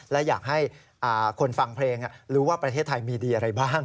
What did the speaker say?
และอยากให้คนฟังเพลงรู้ว่าประเทศไทยมีดีอะไรบ้าง